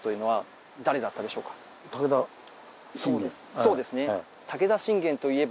そうですね。